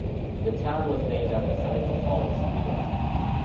The town was named after Seneca Falls, New York.